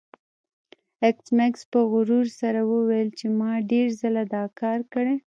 ایس میکس په غرور سره وویل چې ما ډیر ځله دا کار کړی